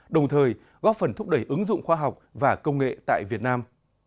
đồng thời góp phần thúc đẩy ứng dụng khoa học và công nghệ tại việt nam